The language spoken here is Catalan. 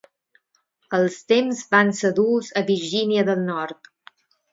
Els temps van ser durs a Virginia del Nord.